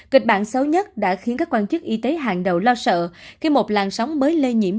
kịch bản xấu nhất đã khiến các quan chức y tế hàng đầu lo sợ khi một làn sóng mới lây nhiễm